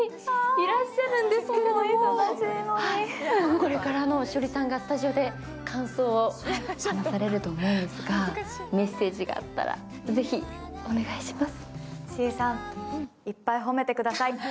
これから栞里さんが感想を言われると思うんですが、メッセージがあったらお願いします。